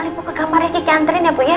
li pukul gamernya kicanterin ya bu ya